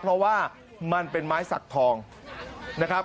เพราะว่ามันเป็นไม้สักทองนะครับ